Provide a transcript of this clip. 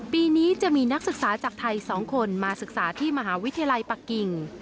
ปีนี้จะมีนักศึกษาจากไทย๒คนมาศึกษาที่มหาวิทยาลัยปะกิ่ง